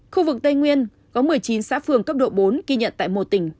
khu vực tây nguyên có một mươi chín xã phường cấp độ bốn ghi nhận tại một tỉnh